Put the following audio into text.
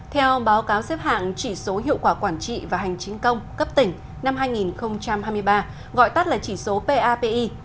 theo báo cáo xếp hạng chỉ số hiệu quả quản trị và hành chính công cấp tỉnh năm hai nghìn hai mươi ba gọi tắt là chỉ số papi